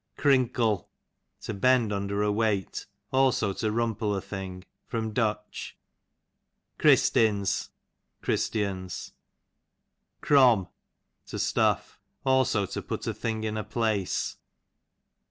Crinkle, to bend under a weight, also to rumple a thing. Du. Christins, christians. Crom, to stuff; also to put a thing in a place.